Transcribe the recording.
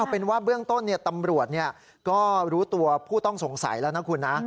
เป็นว่าเบื้องต้นตำรวจก็รู้ตัวผู้ต้องสงสัยแล้วนะคุณนะ